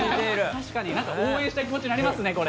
確かに応援したい気持ちになりますね、これ。